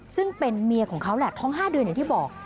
ซึ่งเป็นเมียของเขาแหละท้อง๕เดือนอย่างที่บอก